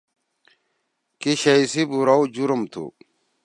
کی شئی سی بُورؤ جرم تُھو۔